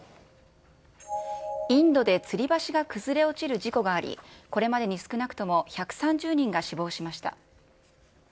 インドでつり橋が崩れ落ちる事故があり、これまでに少なくとも１３０人が死亡しました。